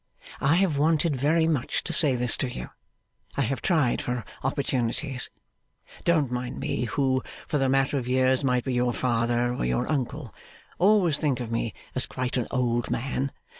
I have wanted very much to say this to you; I have tried for opportunities. Don't mind me, who, for the matter of years, might be your father or your uncle. Always think of me as quite an old man.